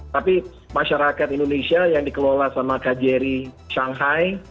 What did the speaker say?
tapi masyarakat indonesia yang dikelola sama kjri shanghai